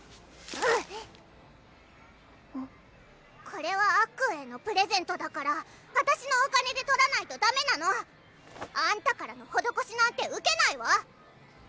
これはあっくんへのプレゼントだから私のお金で取らないとダメなの！あんたからの施しなんて受けないわ！